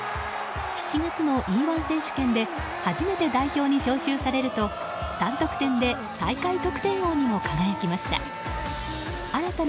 ７月のＥ‐１選手権で初めて代表に招集されると３得点で大会得点王にも輝きました。